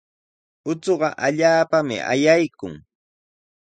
Uchuqa allaapami ayaykun.